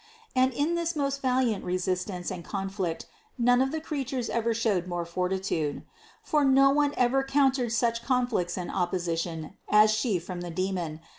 And in this most valiant resistance and conflict none of the creatures ever showed more fortitude. For no one ever encountered such conflicts and opposition as She from the demon.